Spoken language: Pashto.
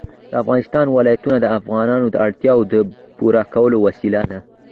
د افغانستان ولايتونه د افغانانو د اړتیاوو د پوره کولو وسیله ده.